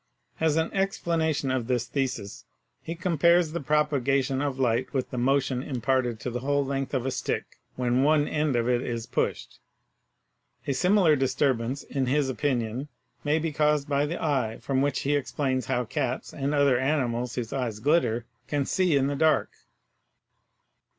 As an explanation of this thesis he com pares the propagation of light with the motion imparted to the whole length of a stick when one end of it is pushed. A similar disturbance, in his opinion, may be caused by the eye, from which he explains how cats and other animals whose eyes glitter can see in the dark.